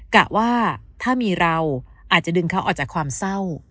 กะว่าถ้ามีเราอาจจะดึงเขาออกจากความเศร้า